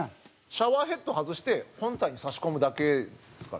シャワーヘッド外して本体に差し込むだけですから。